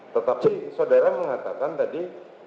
tetapi saudara mengatakan tadi